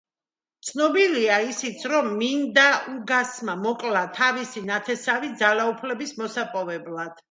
ცნობილია ისიც, რომ მინდაუგასმა მოკლა თავისი ნათესავი ძალაუფლების მოსაპოვებლად.